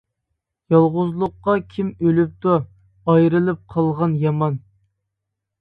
يالغۇزلۇققا كىم ئۆلۈپتۇ، ئايرىلىپ قالغان يامان.